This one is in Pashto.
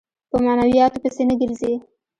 په معنوياتو پسې نه ګرځي.